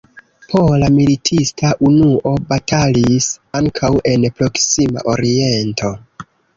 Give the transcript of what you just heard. Pola militista unuo batalis ankaŭ en Proksima Oriento.